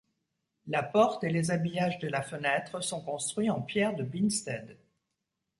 La porte et les habillages de la fenêtre sont construits en pierre de Binstead.